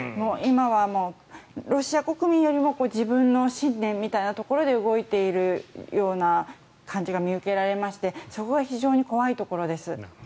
今はロシア国民よりも自分の信念みたいなところで動いているような感じが見受けられましてそこが非常に怖いところです。